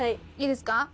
いいですか？